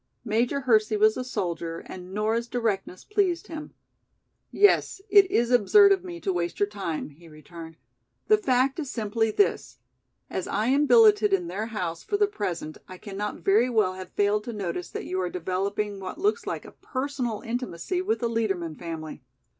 Major Hersey was a soldier and Nora's directness pleased him. "Yes, it is absurd of me to waste your time," he returned. "The fact is simply this. As I am billeted in their house for the present I cannot very well have failed to notice that you are developing what looks like a personal intimacy with the Liedermann family.